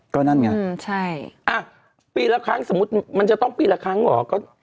ก็นั่นไงใช่อ่ะปีละครั้งสมมุติมันจะต้องปีละครั้งเหรอ